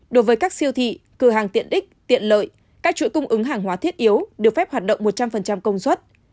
đối với các siêu thị cửa hàng tiện ích tiện lợi các chuỗi cung ứng hàng hóa thiết yếu được phép hoạt động một trăm linh công suất